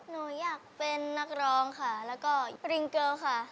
หนูอยากเป็นนักร้องค่ะแล้วก็ปริงเกิลค่ะ